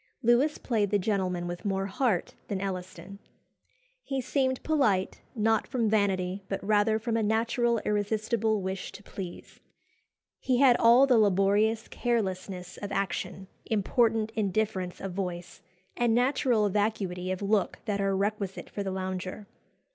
Lewis played the gentleman with more heart than Elliston. He seemed polite, not from vanity, but rather from a natural irresistible wish to please. He had all the laborious carelessness of action, important indifference of voice, and natural vacuity of look that are requisite for the lounger.